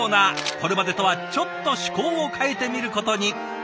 これまでとはちょっと趣向を変えてみることに。